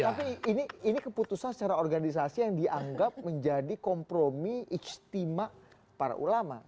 tapi ini keputusan secara organisasi yang dianggap menjadi kompromi ijtima para ulama